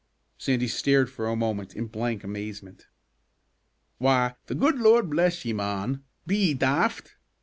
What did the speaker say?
Sandy stared for a moment in blank amazement. "Why, the guid Lord bless ye, mon! be ye daft?